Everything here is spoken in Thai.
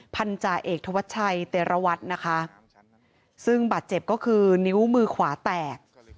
พันธาเอกธวัชชัยเตรวัตรนะคะซึ่งบาดเจ็บก็คือนิ้วมือขวาแตก